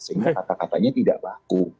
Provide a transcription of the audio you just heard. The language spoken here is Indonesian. sehingga kata katanya tidak baku